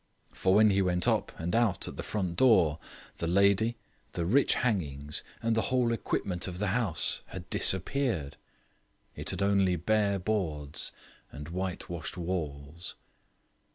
For when he went up and out at the front door, the lady, the rich hangings, and the whole equipment of the house had disappeared. It had only bare boards and whitewashed walls.